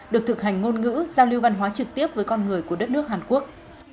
được thực hành ngôn ngữ giao lưu văn hóa trực tiếp với con người của đất nước hàn quốc